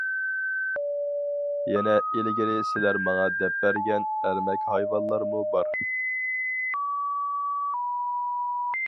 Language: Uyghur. يەنە ئىلگىرى سىلەر ماڭا دەپ بەرگەن ئەرمەك ھايۋانلارمۇ بار.